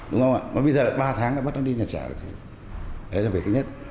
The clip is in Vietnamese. đúng không ạ mà bây giờ ba tháng đã bắt nó đi nhà trẻ rồi đấy là việc thứ nhất